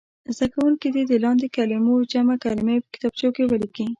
زده کوونکي دې د لاندې کلمو جمع کلمې په کتابچو کې ولیکي.